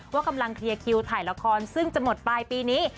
ว่ากำลังเคลียร์คิวถ่ายละครซึ่งจะหมดปลายปีนี้